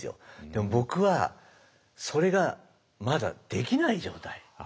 でも僕はそれがまだできない状態。